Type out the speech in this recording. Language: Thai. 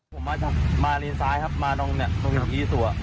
ผมมาเลนซ้ายครับมานั่งตรงนี้ตัว